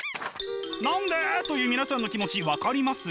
何で！という皆さんの気持ち分かります。